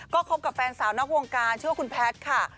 ก็แต่งเลยเนอะ